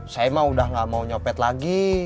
saya mah udah gak mau nyopet lagi